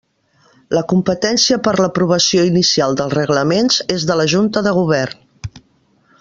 La competència per a l'aprovació inicial dels reglaments és de la Junta de Govern.